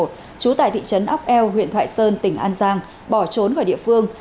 trú tại thị trấn ốc eo huyện thoại sơn tỉnh an giang bỏ trốn khỏi địa phương